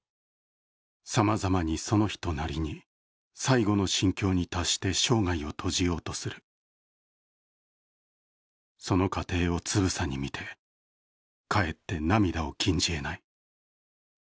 さまざまにその人なりに最後の心境に達して生涯を閉じようとする、その過程をつぶさに見て、かえって涙を禁じ得ない。